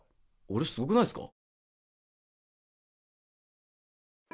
俺すごくないっすか？